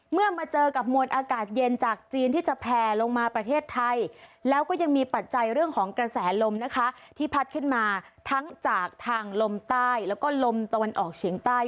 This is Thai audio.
มาเจอกับมวลอากาศเย็นจากจีนที่จะแผลลงมาประเทศไทยแล้วก็ยังมีปัจจัยเรื่องของกระแสลมนะคะที่พัดขึ้นมาทั้งจากทางลมใต้แล้วก็ลมตะวันออกเฉียงใต้